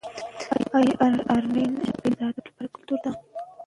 ایا انلاین نړۍ د ادب لپاره ګټوره ده؟